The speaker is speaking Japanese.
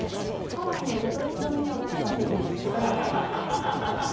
ハワイにご当地調味料があればぜひ。ありますよ。